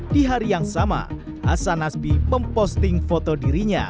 di hari yang sama hasan nasbi memposting foto dirinya